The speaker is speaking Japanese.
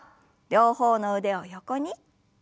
両方の腕を横に。